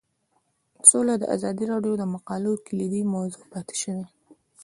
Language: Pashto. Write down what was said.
سوله د ازادي راډیو د مقالو کلیدي موضوع پاتې شوی.